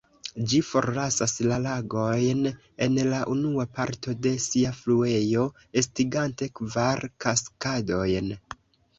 Ĝi forlasas la lagojn, en la unua parto de sia fluejo, estigante kvar kaskadojn.